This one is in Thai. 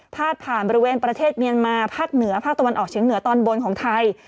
ผ่านบริเวณประเทศเมียนมาภาคเหนือภาคตะวันออกเฉียงเหนือตอนบนของไทย